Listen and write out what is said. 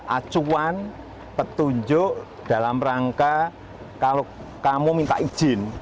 acuan petunjuk dalam rangka kalau kamu minta izin